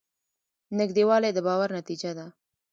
نږدېوالی د باور نتیجه ده.